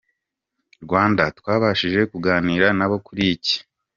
Rwanda twabashije kuganira nabo kuri iki.